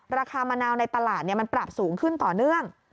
ราคามะนาวในตลาดมันปรับสูงขึ้นต่อเนื่อง